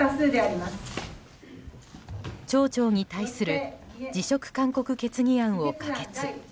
町長に対する辞職勧告決議案を可決。